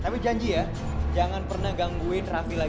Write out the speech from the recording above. tapi janji ya jangan pernah gangguin raffi lagi